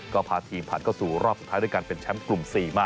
ก็พาทีมผ่านเข้าสู่รอบสุดท้ายด้วยการเป็นแชมป์กลุ่ม๔มา